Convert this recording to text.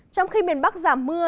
trong khi miền bắc giảm mưa